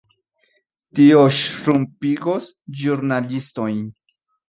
Tio ŝrumpigos ĵurnalistojn.